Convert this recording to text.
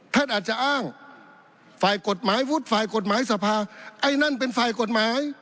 ท่านอาจจะอ้างฝ่ายกฎหมายวุฒิฝ่ายกฎหมายสภาไอ้นั่นเป็นฝ่ายกฎหมาย